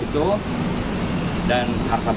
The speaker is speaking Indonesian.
teman rompongan membeli pekerjaan